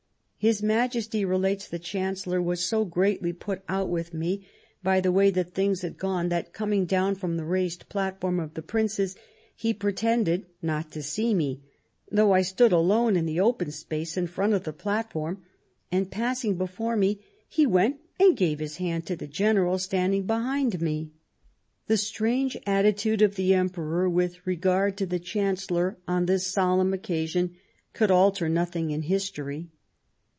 " His Majesty," relates the Chancellor, " was so greatly put out with me for the way that things had gone that, coming do^vn from the raised plat form of the Princes, he pretended not to see me, though I stood alone in the open space in front of the platform ; and, passing before me, he went and gave his hand to the generals standing behind me." The strange attitude of the Emperor with regard to the Chancellor on this solemn occasion could alter nothing in history.